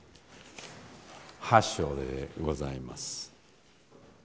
八章でございます。